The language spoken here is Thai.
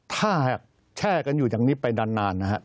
ถ้าแช่กันอยู่จากนี้ไปนานนะครับ